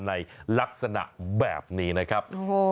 ในลักษณะแบบนี้นะครับ